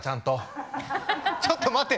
ちょっと待て。